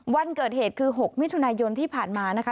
วันเกิดเหตุคือ๖มิถุนายนที่ผ่านมานะคะ